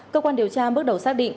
cơ quan điều tra bước đầu xác định